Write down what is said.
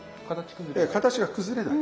形崩れない。